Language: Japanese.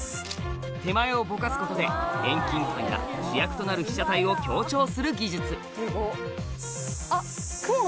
手前をぼかすことで遠近感や主役となる被写体を強調する技術あっ！